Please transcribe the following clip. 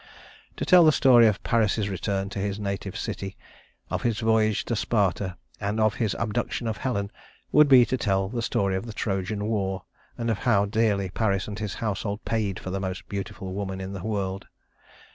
To tell the story of Paris's return to his native city, of his voyage to Sparta, and of his abduction of Helen, would be to tell the story of the Trojan war and of how dearly Paris and his household paid for the most beautiful woman in the world.